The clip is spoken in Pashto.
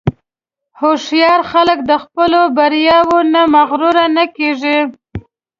هوښیار خلک د خپلو بریاوو نه مغرور نه کېږي.